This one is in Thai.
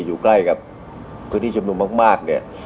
อยู่ใกล้และพื้นที่จำนวนมาก